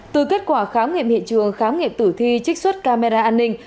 từ kết quả khám nghiệm hiện trường khám nghiệm tử thi trích xuất camera an ninh